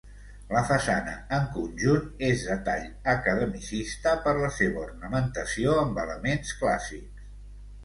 La façana, en conjunt, és de tall academicista per la seva ornamentació amb elements clàssics.